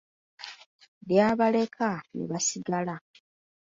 Lyabaleka ne basigala.